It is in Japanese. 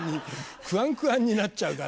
くわんくわんになっちゃうから。